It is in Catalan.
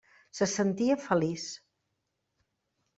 Se sentia feliç.